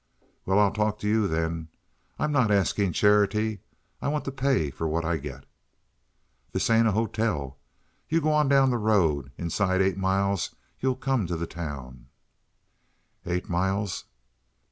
"Well, I'll talk to you, then. I'm not asking charity. I want to pay for what I get." "This ain't a hotel. You go on down the road. Inside eight miles you'll come to the town." "Eight miles!"